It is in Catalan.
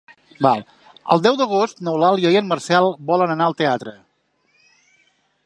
El deu d'agost n'Eulàlia i en Marcel volen anar al teatre.